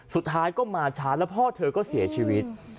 สุดท้ายก็มาช้าแล้วพ่อเธอก็เสียชีวิต